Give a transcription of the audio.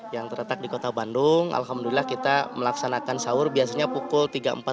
yang terletak di kota bandung alhamdulillah kita melaksanakan sahur biasanya pukul tiga empat puluh